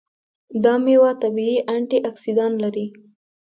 دا میوه طبیعي انټياکسیدان لري.